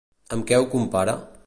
Amb què ho compara?